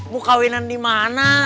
mau kawinan dimana